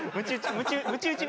むち打ち。